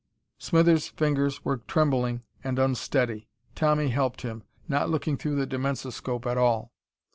Smithers' fingers were trembling and unsteady. Tommy helped him, not looking through the dimensoscope at all.